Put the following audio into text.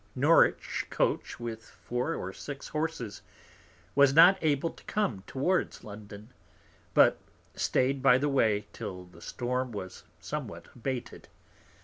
Norwich Coach, with four or six Horses, was not able to come towards London, but stayed by the way till the Storm was somewhat abated.